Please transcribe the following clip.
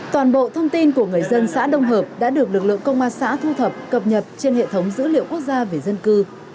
toàn bộ thông tin của người dân xã đông hợp đã được lực lượng công an xã thu thập cập nhật trên hệ thống dữ liệu quốc gia về dân cư